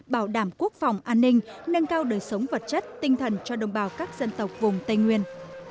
bảo đảm quốc phòng an ninh nâng cao đời sống vật chất tinh thần cho đồng bào các dân tộc vùng tây nguyên